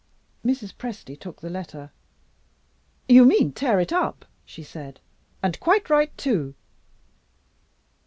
Mrs. Presty took the letter. "You mean, tear it up," she said, "and quite right, too."